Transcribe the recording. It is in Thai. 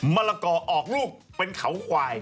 มะละกอออกลูกเป็นเขาควาย